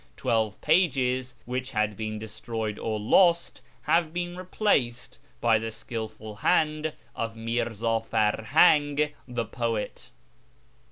Twelve pages, which had been destroyed or lost, have been replaced by the skilful hand of Mi'rza Farhang, the poet.